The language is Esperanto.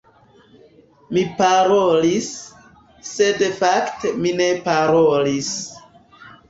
Mi parolis, sed fakte mi ne parolis.